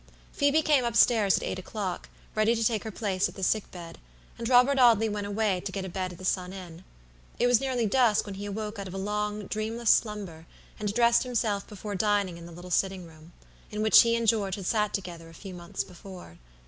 Phoebe came up stairs at eight o'clock, ready to take her place at the sick bed, and Robert Audley went away, to get a bed at the Sun Inn. It was nearly dusk when he awoke out of a long dreamless slumber, and dressed himself before dining in the little sitting room, in which he and George had sat together a few months before.